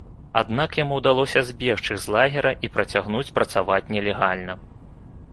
Аднак яму ўдалося збегчы з лагера і працягнуць працаваць нелегальна.